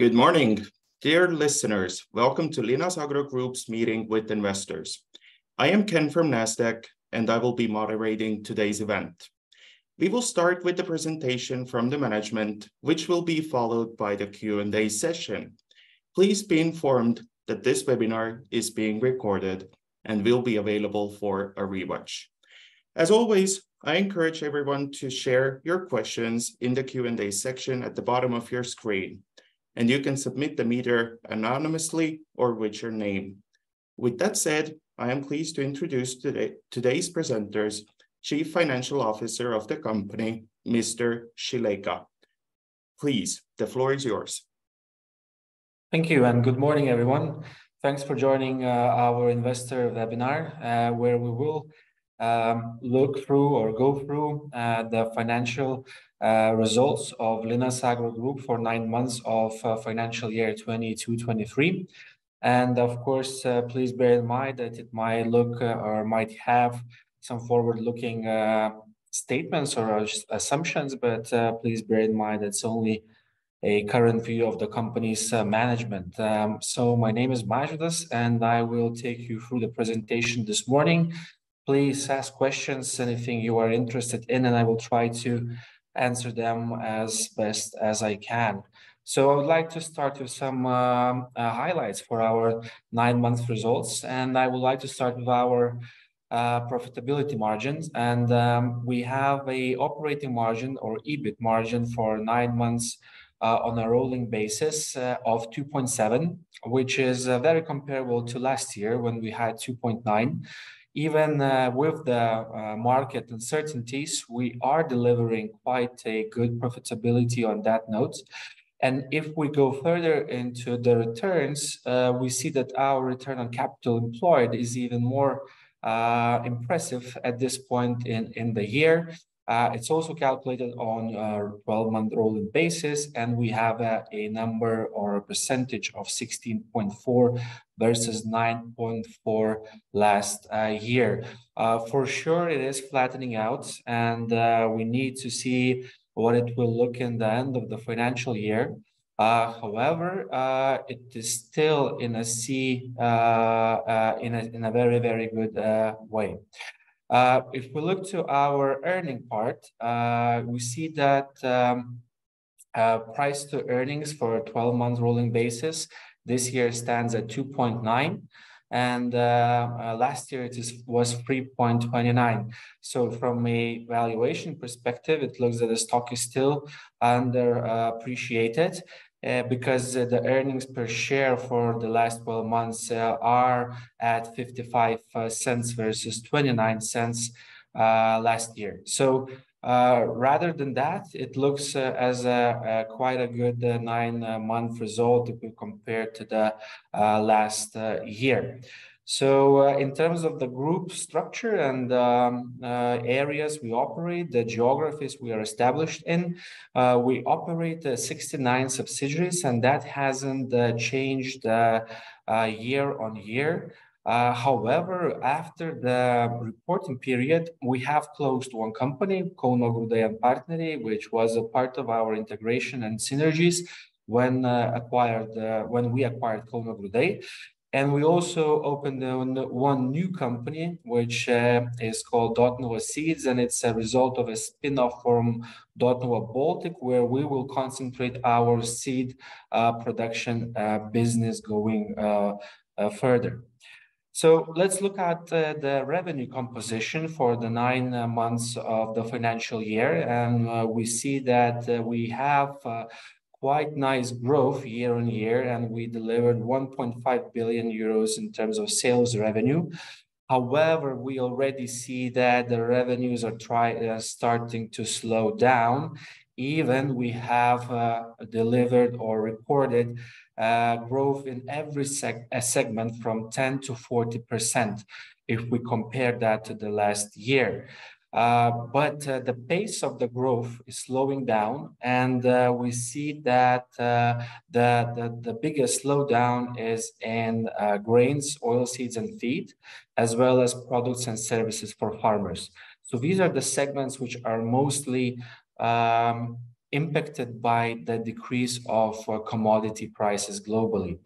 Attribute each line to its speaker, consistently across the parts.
Speaker 1: Good morning, dear listeners. Welcome to Linas Agro Group's meeting with investors. I am Ken from Nasdaq. I will be moderating today's event. We will start with the presentation from the management, which will be followed by the Q&A session. Please be informed that this webinar is being recorded and will be available for a rewatch. As always, I encourage everyone to share your questions in the Q&A section at the bottom of your screen. You can submit them either anonymously or with your name. With that said, I am pleased to introduce today's presenters, Chief Financial Officer of the company, Mr. Šileika. Please, the floor is yours.
Speaker 2: Thank you. Good morning, everyone. Thanks for joining our investor webinar, where we will look through or go through the financial results of Linas Agro Group for 9 Months of Financial Year 2022-2023. Of course, please bear in mind that it might look or might have some forward-looking statements or assumptions, but please bear in mind it's only a current view of the company's management. My name is Mažvydas, and I will take you through the presentation this morning. Please ask questions, anything you are interested in, and I will try to answer them as best as I can. I would like to start with some highlights for our nine-month results, and I would like to start with our profitability margins. We have an operating margin or EBIT margin for nine months, on a rolling basis, of 2.7, which is very comparable to last year, when we had 2.9. Even with the market uncertainties, we are delivering quite a good profitability on that note. If we go further into the returns, we see that our return on capital employed is even more impressive at this point in the year. It's also calculated on a 12-month rolling basis, and we have a number or a percentage of 16.4 versus 9.4 last year. For sure, it is flattening out, and we need to see what it will look in the end of the financial year. However, it is still in a very, very good way. If we look to our earnings part, we see that price to earnings for a 12-month rolling basis this year stands at 2.9, and last year was 3.29. From a valuation perspective, it looks that the stock is still under appreciated because the earnings per share for the last 12 months are at 0.55 versus 0.29 last year. Rather than that, it looks as a quite a good nine-month result if we compare to the last year. In terms of the group structure and areas we operate, the geographies we are established in, we operate 69 subsidiaries, and that hasn't changed year on year. However, after the reporting period, we have closed one company, Kauno Grūdai ir Partneriai, which was a part of our integration and synergies when we acquired Kauno Grūdai. We also opened one new company, which is called Dotnuva Seeds, and it's a result of a spin-off from Dotnuva Baltic, where we will concentrate our seed production business going further. Let's look at the revenue composition for the nine months of the financial year, we see that we have quite nice growth year on year, and we delivered 1.5 billion euros in terms of sales revenue. However, we already see that the revenues are starting to slow down. Even we have delivered or recorded growth in every segment from 10%-40% if we compare that to the last year. The pace of the growth is slowing down, we see that the biggest slowdown is in Grain, Oilseeds, and Feed, as well as Products and Services for Farming. These are the segments which are mostly impacted by the decrease of commodity prices globally.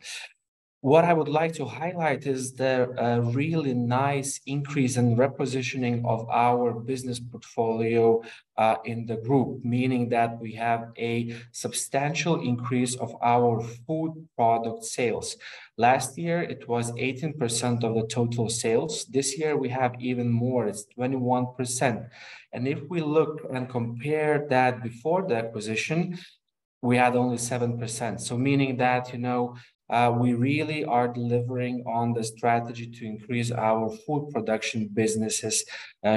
Speaker 2: What I would like to highlight is the really nice increase in repositioning of our business portfolio in the group, meaning that we have a substantial increase of our food product sales. Last year, it was 18% of the total sales. This year, we have even more; it's 21%. If we look and compare that before the acquisition, we had only 7%. Meaning that, you know, we really are delivering on the strategy to increase our food production business's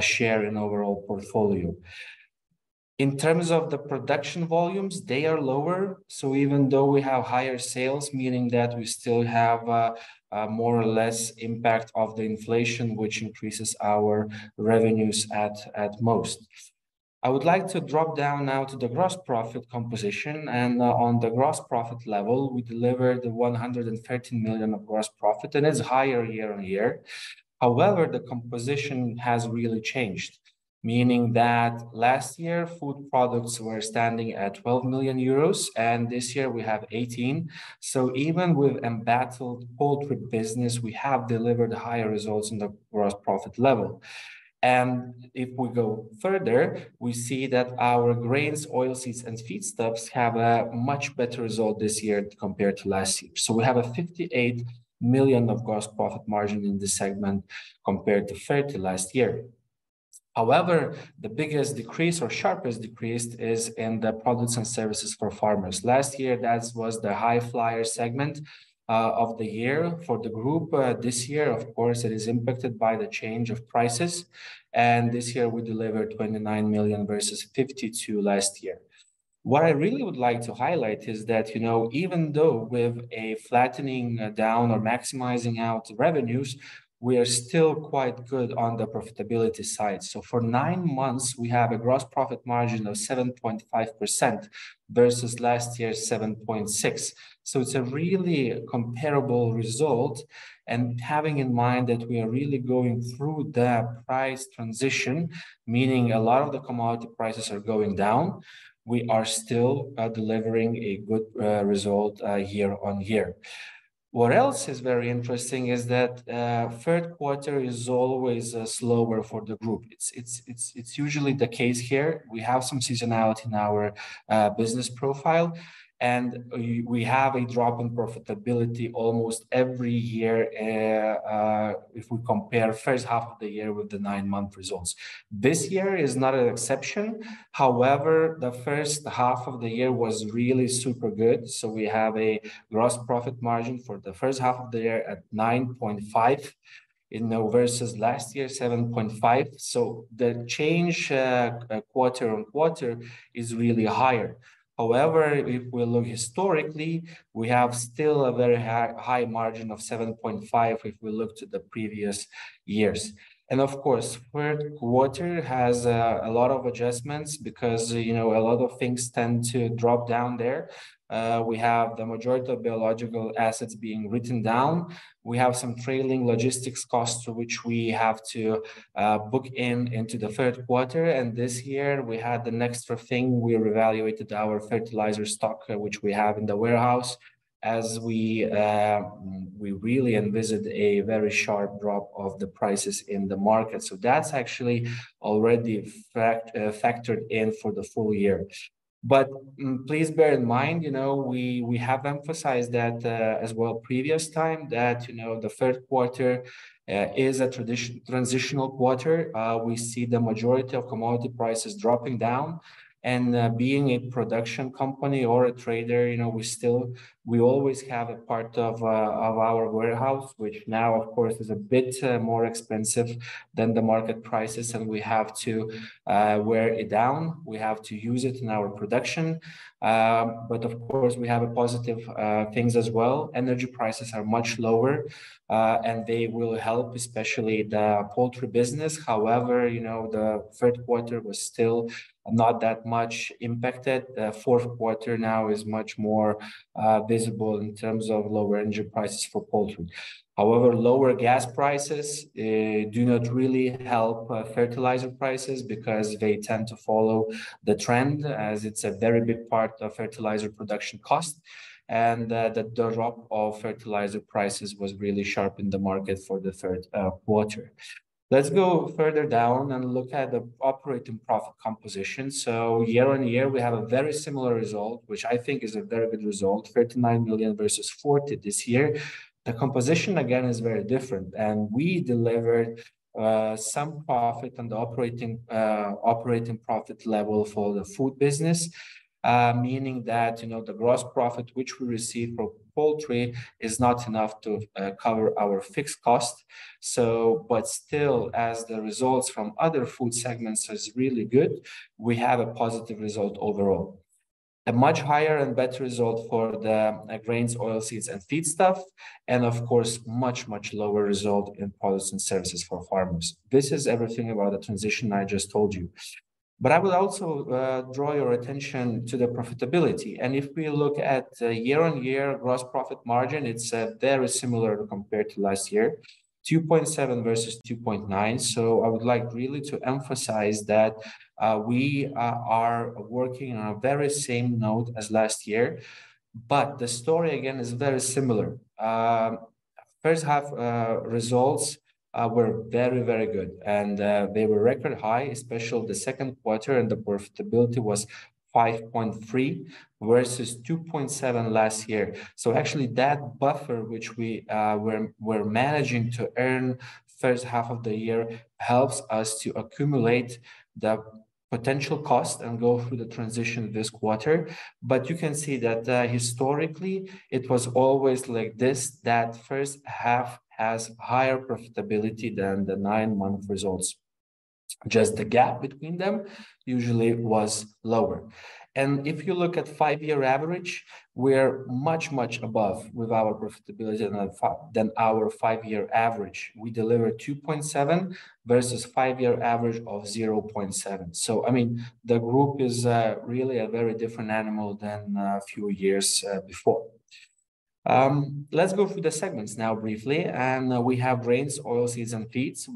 Speaker 2: share in overall portfolio. In terms of the production volumes, they are lower. Even though we have higher sales, meaning that we still have a more or less impact of the inflation, which increases our revenues at most. I would like to drop down now to the gross profit composition, and on the gross profit level, we delivered 113 million of gross profit, and it's higher year on year. The composition has really changed, meaning that last year, food products were standing at 12 million euros, and this year we have 18 million. Even with embattled poultry business, we have delivered higher results in the gross profit level. If we go further, we see that our Grain, Oilseeds, and Feed stuff have a much better result this year compared to last year. We have a 58 million of gross profit margin in this segment compared to 30 million last year. The biggest decrease or sharpest decrease is in the Products and Services for Farming. Last year, that was the high-flyer segment of the year for the group. This year, of course, it is impacted by the change of prices. This year we delivered 29 million versus 52 million last year. What I really would like to highlight is that, you know, even though with a flattening down or maximizing out revenues, we are still quite good on the profitability side. For nine months, we have a gross profit margin of 7.5% versus last year, 7.6%. It's a really comparable result, and having in mind that we are really going through the price transition, meaning a lot of the commodity prices are going down, we are still delivering a good result year-on-year. What else is very interesting is that Q3 is always slower for the group. It's usually the case here. We have some seasonality in our business profile, and we have a drop in profitability almost every year if we compare H1 of the year with the nine-month results. This year is not an exception. However, the H1 of the year was really super good, so we have a gross profit margin for the H1 of the year at 9.5, you know, versus last year, 7.5. The change quarter-on-quarter is really higher. However, if we look historically, we have still a very high margin of 7.5 if we look to the previous years. Of course, Q3 has a lot of adjustments because, you know, a lot of things tend to drop down there. We have the majority of biological assets being written down. We have some trailing logistics costs, which we have to book into the Q3. This year we had an extra thing. We revalued our fertilizer stock, which we have in the warehouse, as we really envisage a very sharp drop of the prices in the market. That's actually already factored in for the full year. Please bear in mind, you know, we have emphasized that as well previous time, that, you know, the Q3 is a transitional quarter. We see the majority of commodity prices dropping down, and being a production company or a trader, you know, we always have a part of our warehouse, which now, of course, is a bit more expensive than the market prices, and we have to wear it down. We have to use it in our production. Of course, we have a positive things as well. Energy prices are much lower, they will help, especially the poultry business. However, you know, the Q3 was still not that much impacted. The Q4 now is much more visible in terms of lower energy prices for poultry. However, lower gas prices do not really help fertilizer prices because they tend to follow the trend, as it's a very big part of fertilizer production cost, the drop of fertilizer prices was really sharp in the market for the Q3. Let's go further down and look at the operating profit composition. Year-over-year, we have a very similar result, which I think is a very good result, 39 million versus 40 million this year. The composition, again, is very different, and we delivered some profit on the operating profit level for the food business, meaning that, you know, the gross profit which we receive from poultry is not enough to cover our fixed cost. Still, as the results from other food segments is really good, we have a positive result overall. A much higher and better result for the Grain, Oilseeds, and Feed stuff, and of course, much, much lower result in Products and Services for Farming. This is everything about the transition I just told you. I would also draw your attention to the profitability, and if we look at the year-on-year gross profit margin, it's very similar compared to last year, 2.7% versus 2.9%. I would like really to emphasize that we are working on a very same note as last year, but the story again is very similar. H1 results were very, very good, and they were record high, especially the Q2, and the profitability was 5.3 versus 2.7 last year. Actually, that buffer, which we were managing to earn H1 of the year, helps us to accumulate the potential cost and go through the transition this quarter. You can see that historically, it was always like this, that H1 has higher profitability than the nine-month results. Just the gap between them usually was lower. If you look at five-year average, we're much above with our profitability than our five-year average. We delivered 2.7 versus five-year average of 0.7. I mean, the group is really a very different animal than a few years before. Let's go through the segments now briefly. We have Grain, Oilseeds, and Feeds.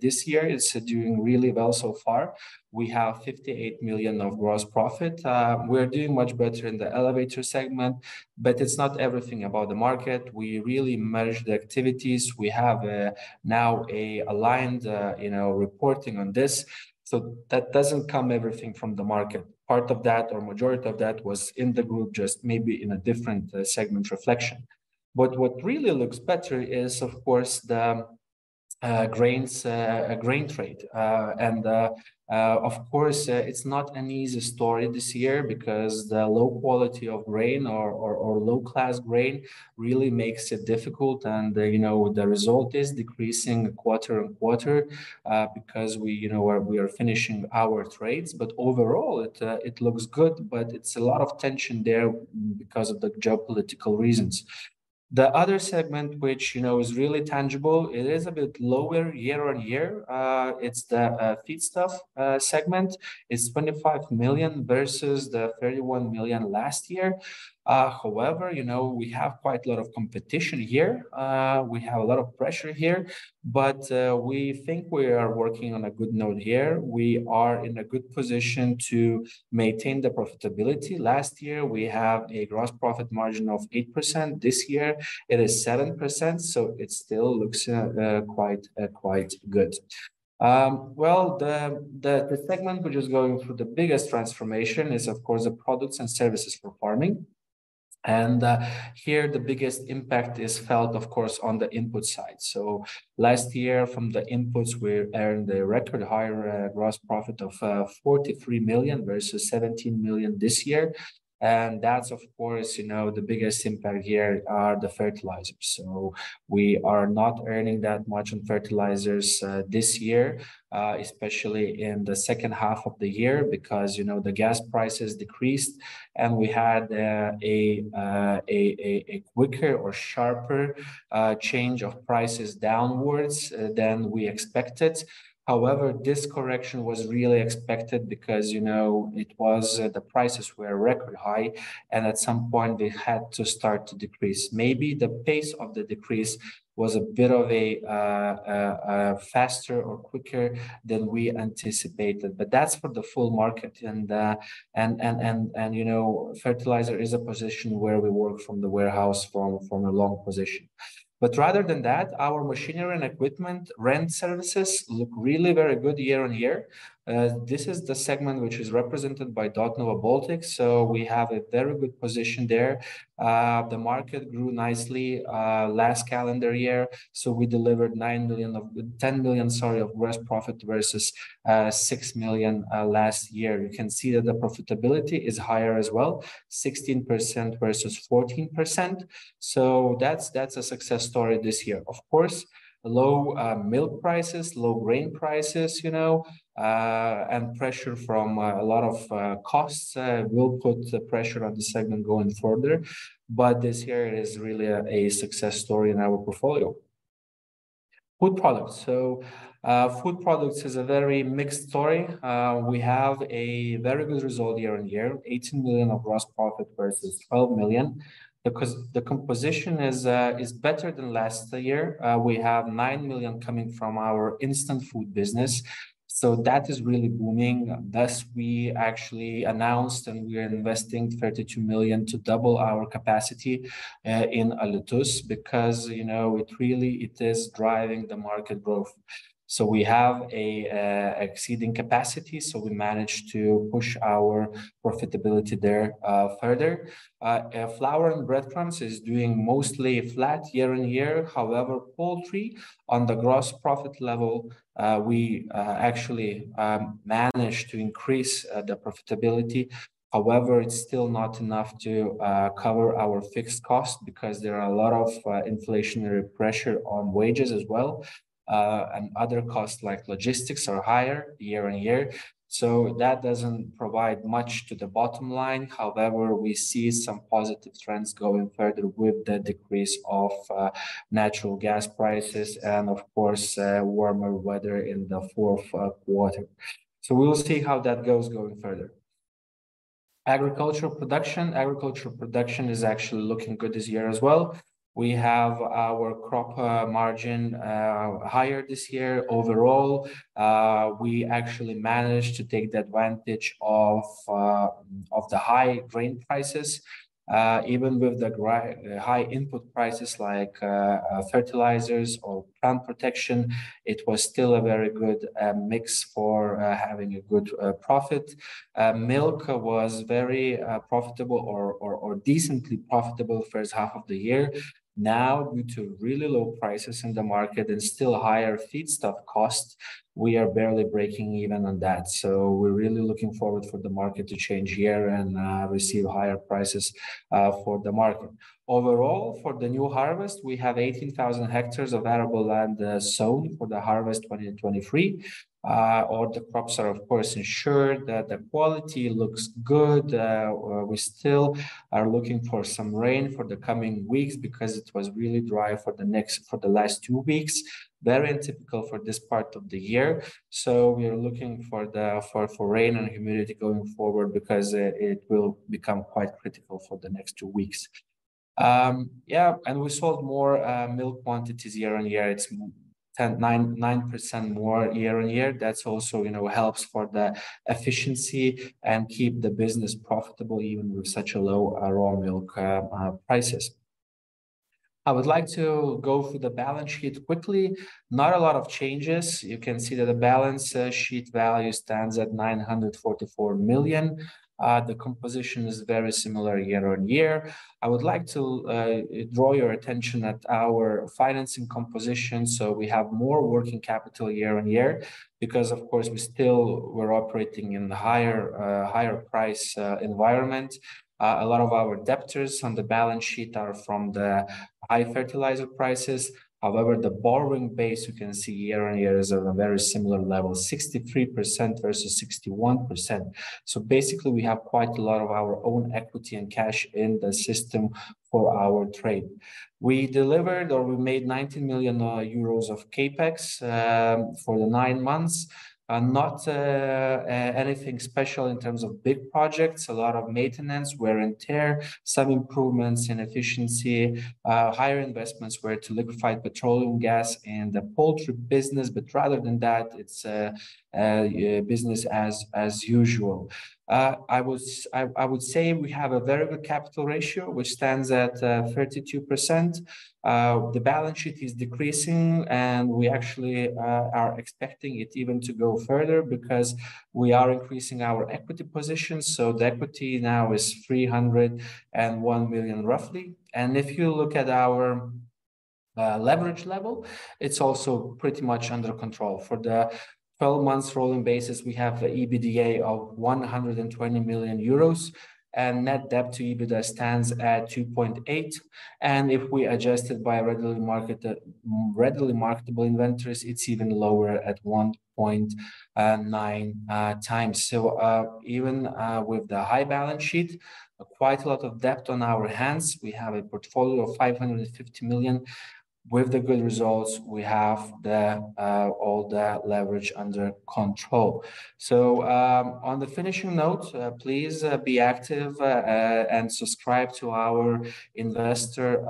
Speaker 2: This year is doing really well so far. We have 58 million of gross profit. We're doing much better in the elevator segment, but it's not everything about the market. We really manage the activities. We have now a aligned, you know, reporting on this, so that doesn't come everything from the market. Part of that or majority of that was in the group, just maybe in a different segment reflection. What really looks better is, of course, the grains, grain trade. Of course, it's not an easy story this year because the low quality of grain or low-class grain really makes it difficult. You know, the result is decreasing quarter-on-quarter, because we, you know, we are finishing our trades, but overall it looks good, but it's a lot of tension there because of the geopolitical reasons. The other segment, which you know, is really tangible, it is a bit lower year-on-year. It's the feedstuff segment. It's 25 million versus 31 million last year. You know, we have quite a lot of competition here. We have a lot of pressure here, but we think we are working on a good note here. We are in a good position to maintain the profitability. Last year, we have a gross profit margin of 8%. This year it is 7%, so it still looks quite good. Well, the segment which is going through the biggest transformation is, of course, the Products and Services for Farming, and here, the biggest impact is felt, of course, on the input side. Last year, from the inputs, we earned a record higher gross profit of 43 million versus 17 million this year. That's, of course, you know, the biggest impact here are the fertilizers. We are not earning that much on fertilizers this year, especially in the H2 of the year, because, you know, the gas prices decreased, and we had a quicker or sharper change of prices downwards than we expected. This correction was really expected because, you know, it was, the prices were record high, and at some point they had to start to decrease. Maybe the pace of the decrease was a bit of a faster or quicker than we anticipated, but that's for the full market. And, you know, fertilizer is a position where we work from the warehouse from a long position. Rather than that, our machinery and equipment rent services look really very good year-over-year. This is the segment which is represented by Dotnuva Baltic, so we have a very good position there. The market grew nicely last calendar year, so we delivered 10 million of gross profit versus 6 million last year. You can see that the profitability is higher as well, 16% versus 14%. That's a success story this year. Of course, low milk prices, low grain prices, you know, and pressure from a lot of costs will put the pressure on the segment going further, but this year is really a success story in our portfolio. Food products. Food products is a very mixed story. We have a very good result year on year, 18 million of gross profit versus 12 million because the composition is better than last year. We have 9 million coming from our instant food business, so that is really booming. Thus, we actually announced, and we are investing 32 million to double our capacity in Alytus, because, you know, it really is driving the market growth. We have a exceeding capacity, so we managed to push our profitability there further. Flour and breadcrumbs is doing mostly flat year-on-year. Poultry on the gross profit level, we actually managed to increase the profitability. It's still not enough to cover our fixed cost because there are a lot of inflationary pressure on wages as well, and other costs, like logistics, are higher year-on-year, so that doesn't provide much to the bottom line. We see some positive trends going further with the decrease of natural gas prices and of course, warmer weather in the Q4. We will see how that goes going further. Agricultural production. Agricultural production is actually looking good this year as well. We have our crop margin higher this year overall. We actually managed to take the advantage of the high grain prices, even with the high input prices like fertilizers or plant protection, it was still a very good mix for having a good profit. Milk was very profitable or decently profitable H1 of the year. Now, due to really low prices in the market and still higher feedstuff costs, we are barely breaking even on that. We're really looking forward for the market to change gear and receive higher prices for the market. Overall, for the new harvest, we have 18,000 hectares of arable land sown for the harvest 2023. All the crops are, of course, insured, that the quality looks good. We still are looking for some rain for the coming weeks because it was really dry for the last two weeks, very untypical for this part of the year. We are looking for the rain and humidity going forward because it will become quite critical for the next two weeks. Yeah, we sold more milk quantities year on year. It's 10, 9% more year on year. That's also, you know, helps for the efficiency and keep the business profitable even with such a low raw milk prices. I would like to go through the balance sheet quickly. Not a lot of changes. You can see that the balance sheet value stands at 944 million. The composition is very similar year on year. I would like to draw your attention at our financing composition. We have more working capital year on year, because, of course, we're operating in the higher price environment. A lot of our debtors on the balance sheet are from the high fertilizer prices. However, the borrowing base, you can see year on year, is on a very similar level, 63% versus 61%. Basically, we have quite a lot of our own equity and cash in the system for our trade. We delivered, or we made, 19 million euros of CapEx for the nine months, and not anything special in terms of big projects, a lot of maintenance, wear and tear, some improvements in efficiency. Higher investments were to liquefied petroleum gas and the poultry business, rather than that, it's a business as usual. I would say we have a very good capital ratio, which stands at 32%. The balance sheet is decreasing, we actually are expecting it even to go further because we are increasing our equity position, so the equity now is 301 million, roughly. If you look at our leverage level, it's also pretty much under control. For the 12 months rolling basis, we have a EBITDA of 120 million euros, net debt to EBITDA stands at 2.8, if we adjust it by readily marketable inventories, it's even lower at 1.9x. Even with the high balance sheet, quite a lot of debt on our hands, we have a portfolio of 550 million. With the good results, we have all the leverage under control. On the finishing note, please be active and subscribe to our investor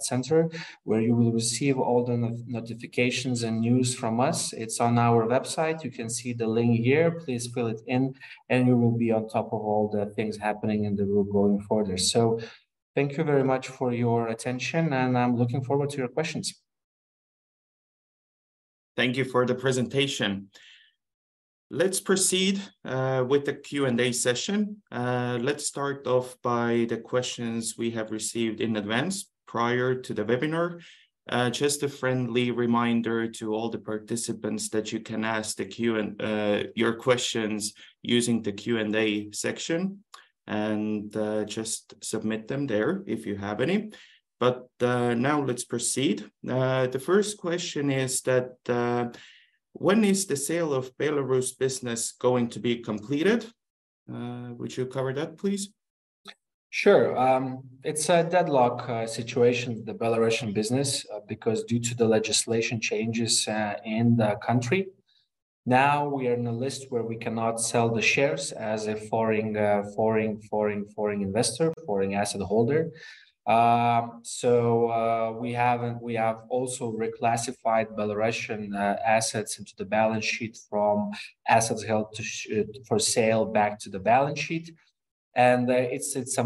Speaker 2: center, where you will receive all the notifications and news from us. It's on our website. You can see the link here. Please fill it in, and you will be on top of all the things happening in the group going further. Thank you very much for your attention, and I'm looking forward to your questions.
Speaker 1: Thank you for the presentation. Let's proceed with the Q&A session. Let's start off by the questions we have received in advance prior to the webinar. Just a friendly reminder to all the participants that you can ask your questions using the Q&A section, and just submit them there if you have any. Now let's proceed. The first question is that: When is the sale of Belarus business going to be completed? Would you cover that, please?
Speaker 2: Sure. It's a deadlock situation, the Belarusian business, because due to the legislation changes in the country, now we are in a list where we cannot sell the shares as a foreign investor, foreign asset holder. We have also reclassified Belarusian assets into the balance sheet from assets held to for sale back to the balance sheet, and it's a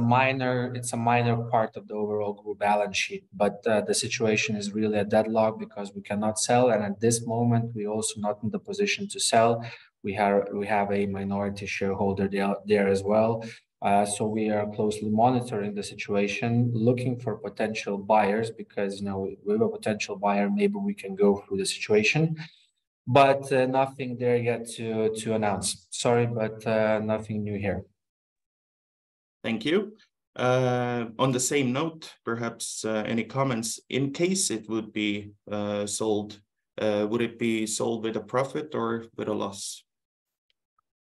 Speaker 2: minor part of the overall group balance sheet. The situation is really a deadlock because we cannot sell, and at this moment, we're also not in the position to sell. We have a minority shareholder there as well. We are closely monitoring the situation, looking for potential buyers, because, you know, with a potential buyer, maybe we can go through the situation, but nothing there yet to announce. Sorry. Nothing new here.
Speaker 1: Thank you. On the same note, perhaps, any comments, in case it would be sold, would it be sold with a profit or with a loss?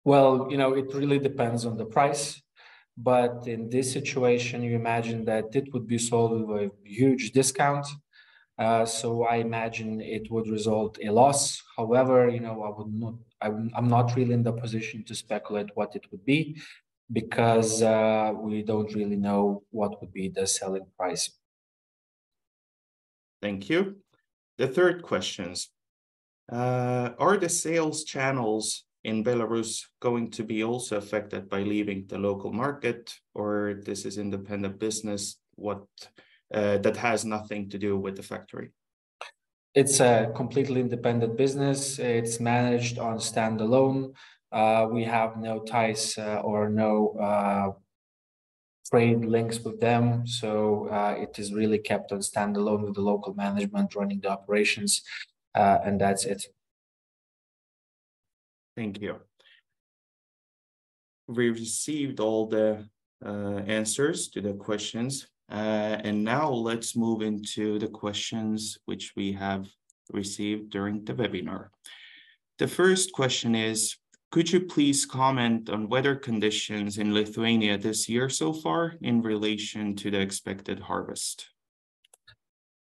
Speaker 2: You know, it really depends on the price. In this situation, you imagine that it would be sold with a huge discount, so I imagine it would result a loss. You know, I'm not really in the position to speculate what it would be because, we don't really know what would be the selling price.
Speaker 1: Thank you. The third questions: Are the sales channels in Belarus going to be also affected by leaving the local market, or this is independent business, what, that has nothing to do with the factory?
Speaker 2: It's a completely independent business. It's managed on standalone. We have no ties, or no, trade links with them. It is really kept on standalone with the local management running the operations. That's it.
Speaker 1: Thank you. We've received all the answers to the questions. Now let's move into the questions which we have received during the webinar. The first question is: Could you please comment on weather conditions in Lithuania this year so far in relation to the expected harvest?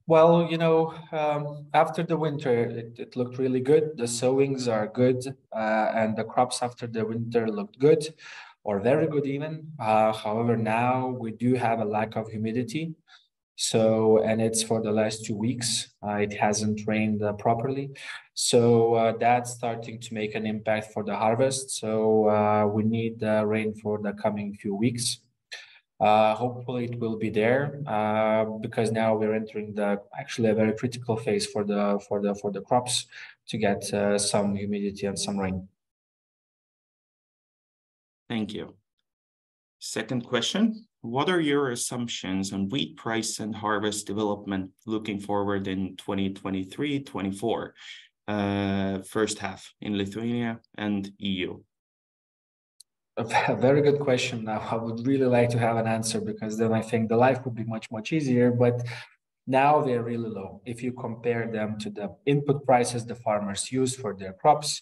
Speaker 2: Well, you know, after the winter, it looked really good. The sowings are good, and the crops after the winter looked good or very good even. However, now we do have a lack of humidity. It's for the last two weeks, it hasn't rained properly. That's starting to make an impact for the harvest, we need rain for the coming few weeks. Hopefully, it will be there, because now we're entering actually a very critical phase for the crops to get some humidity and some rain.
Speaker 1: Thank you. Second question: What are your assumptions on wheat price and harvest development looking forward in 2023, 2024, H1 in Lithuania and EU?
Speaker 2: A very good question. I would really like to have an answer because then I think the life would be much, much easier. Now they're really low. If you compare them to the input prices the farmers use for their crops,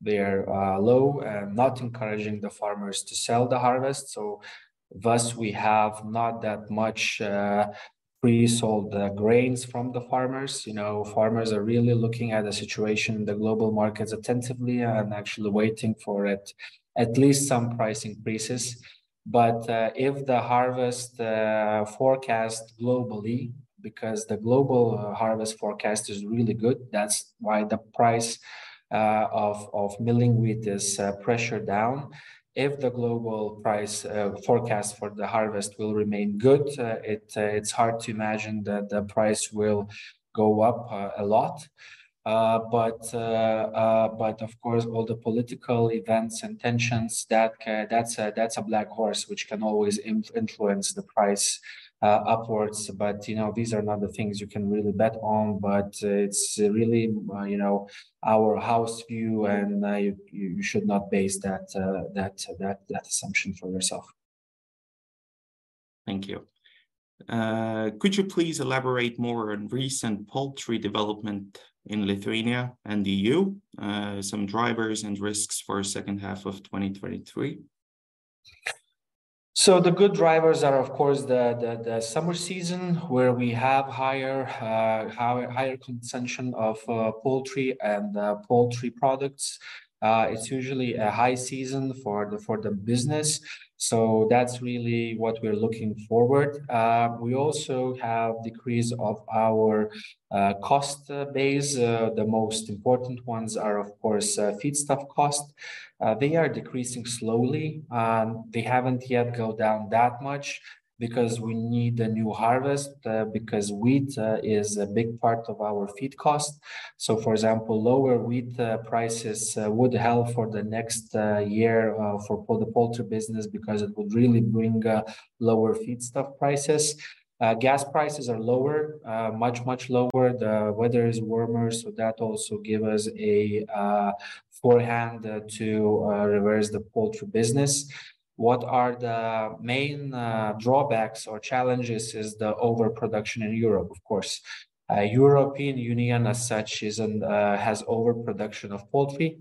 Speaker 2: they are low and not encouraging the farmers to sell the harvest. Thus, we have not that much pre-sold grains from the farmers. You know, farmers are really looking at the situation in the global markets attentively, and actually waiting for at least some price increases. If the harvest forecast globally, because the global harvest forecast is really good, that's why the price of milling wheat is pressured down. If the global price forecast for the harvest will remain good, it's hard to imagine that the price will go up a lot. Of course, all the political events and tensions, that's a black horse which can always influence the price upwards. You know, these are not the things you can really bet on, but it's really, you know, our house view, and you should not base that assumption for yourself.
Speaker 1: Thank you. Could you please elaborate more on recent poultry development in Lithuania and the EU? Some drivers and risks for H2 of 2023.
Speaker 2: The good drivers are, of course, the summer season, where we have higher consumption of poultry and poultry products. It's usually a high season for the business, so that's really what we're looking forward. We also have decrease of our cost base. The most important ones are, of course, feedstock cost. They are decreasing slowly, and they haven't yet go down that much, because we need a new harvest, because wheat is a big part of our feed cost. For example, lower wheat prices would help for the next year for the poultry business, because it would really bring lower feedstock prices. Gas prices are lower, much lower. The weather is warmer, that also give us a forehand to reverse the poultry business. What are the main drawbacks or challenges is the overproduction in Europe, of course. European Union, as such, is an. Has overproduction of poultry,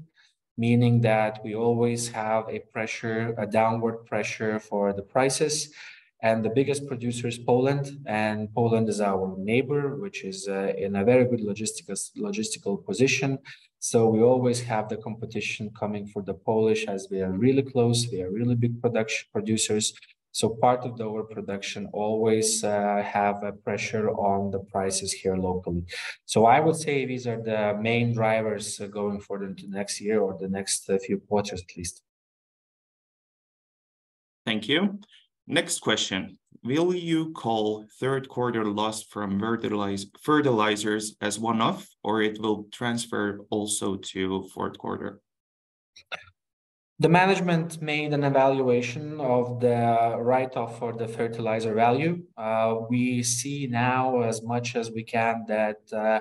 Speaker 2: meaning that we always have a pressure, a downward pressure for the prices, and the biggest producer is Poland. Poland is our neighbor, which is in a very good logistical position, so we always have the competition coming from the Polish, as we are really close. We are really big producers, so part of the overproduction always have a pressure on the prices here locally. I would say these are the main drivers going forward into next year or the next few quarters at least.
Speaker 1: Thank you. Next question: Will you call Q3 loss from fertilizers as one-off, or it will transfer also to Q4?
Speaker 2: The management made an evaluation of the write-off for the fertilizer value. We see now as much as we can that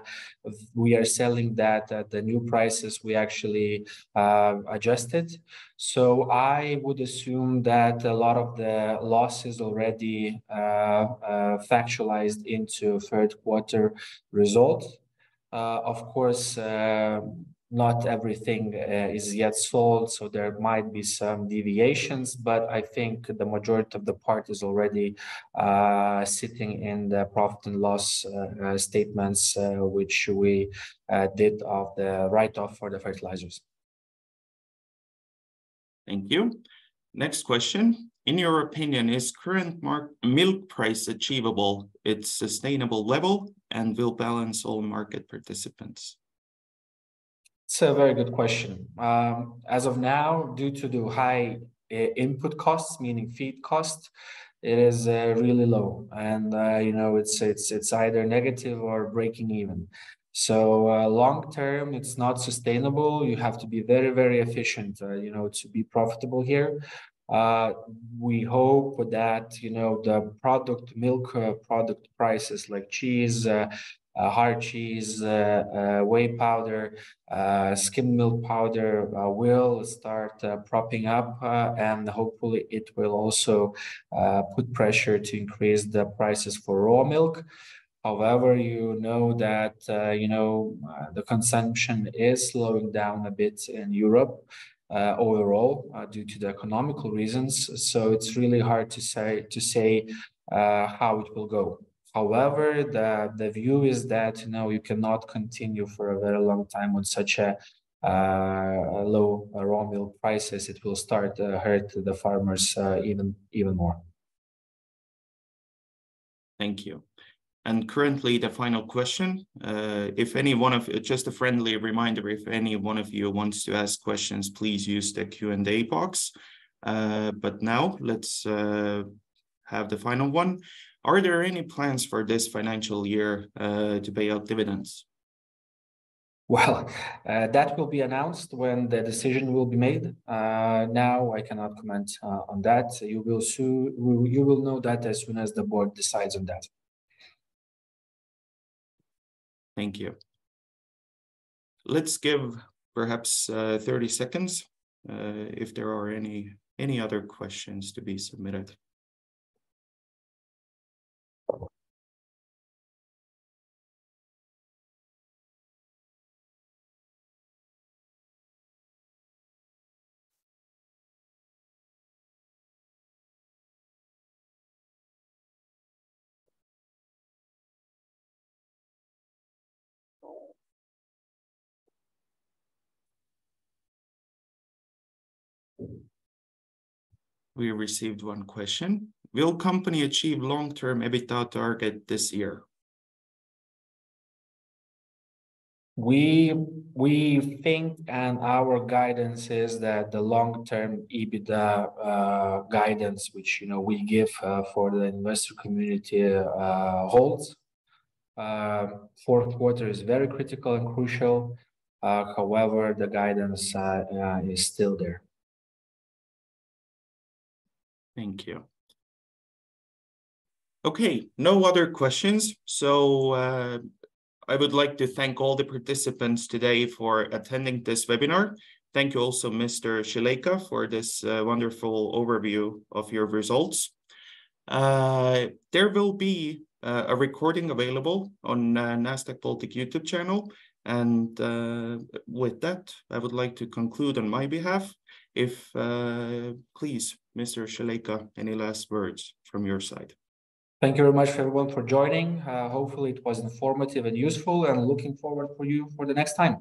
Speaker 2: we are selling that at the new prices we actually adjusted. I would assume that a lot of the losses already factualized into Q3 results. Of course, not everything is yet sold, so there might be some deviations. I think the majority of the part is already sitting in the profit and loss statements which we did of the write-off for the fertilizers.
Speaker 1: Thank you. Next question: In your opinion, is current milk price achievable, its sustainable level, and will balance all market participants?
Speaker 2: It's a very good question. As of now, due to the high input costs, meaning feed costs, it is really low, and you know, it's either negative or breaking even. Long-term, it's not sustainable. You have to be very, very efficient, you know, to be profitable here. We hope that, you know, the product, milk, product prices, like cheese, hard cheese, whey powder, skim milk powder, will start propping up, and hopefully, it will also put pressure to increase the prices for raw milk. You know that, you know, the consumption is slowing down a bit in Europe, overall, due to the economical reasons, so it's really hard to say how it will go. The view is that, you know, you cannot continue for a very long time on such a low raw milk prices. It will start hurt the farmers, even more.
Speaker 1: Thank you. currently, the final question. Just a friendly reminder, if any one of you wants to ask questions, please use the Q&A box. now let's have the final one. "Are there any plans for this financial year to pay out dividends?
Speaker 2: Well, that will be announced when the decision will be made. Now I cannot comment on that. You will know that as soon as the board decides on that.
Speaker 1: Thank you. Let's give perhaps, 30 seconds, if there are any other questions to be submitted. We received one question: "Will company achieve long-term EBITDA target this year?
Speaker 2: We think, and our guidance is that the long-term EBITDA guidance, which, you know, we give for the investor community, holds. Q4 is very critical and crucial. However, the guidance is still there.
Speaker 1: Thank you. Okay, no other questions. I would like to thank all the participants today for attending this webinar. Thank you also, Mr. Šileika, for this wonderful overview of your results. There will be a recording available on Nasdaq Baltic YouTube channel. With that, I would like to conclude on my behalf. If... Please, Mr. Šileika, any last words from your side?
Speaker 2: Thank you very much, everyone, for joining. Hopefully, it was informative and useful, and looking forward for you for the next time.